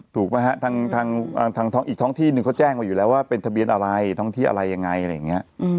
ถูกไหมฮะทางท้องอีกท้องที่หนึ่งเขาแจ้งมาอยู่แล้วว่าเป็นทะเบียนอะไรท้องที่อะไรยังไงอะไรอย่างนี้